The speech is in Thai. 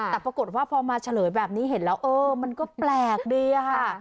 แต่ปรากฏว่าพอมาเฉลยแบบนี้เห็นแล้วเออมันก็แปลกดีอะค่ะ